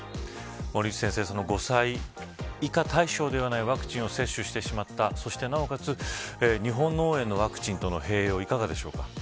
森内先生、５歳以下対象ではないワクチンを接種してしまったなおかつ、日本脳炎のワクチンとの併用